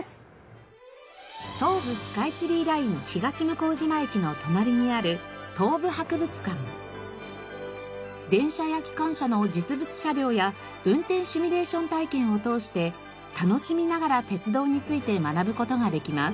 東武スカイツリーライン東向島駅の隣にある電車や機関車の実物車両や運転シミュレーション体験を通して楽しみながら鉄道について学ぶ事ができます。